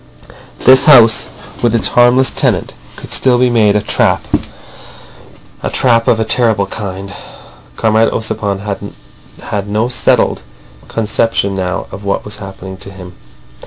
This house with its harmless tenant could still be made a trap of—a trap of a terrible kind. Comrade Ossipon had no settled conception now of what was happening to him.